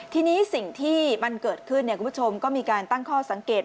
ทีนี้สิ่งที่มันเกิดขึ้นคุณผู้ชมก็มีการตั้งข้อสังเกต